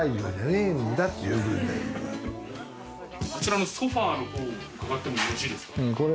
こちらのソファの方は、伺ってもよろしいですか？